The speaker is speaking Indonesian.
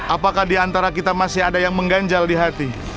apakah diantara kita masih ada yang mengganjal di hati